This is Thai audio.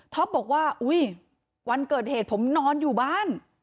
ท็อปบอกว่าวันเกิดเหตุผมนอนอยู่บ้าน